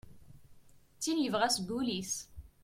D tin yebɣa seg wul-is.